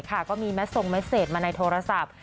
ก็มีแมททรงเม็ดเศษมาในโทรศัพท์